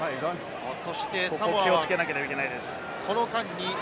ここ気をつけなければいけないです。